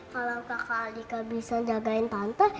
kalau kakak alika bisa jagain tante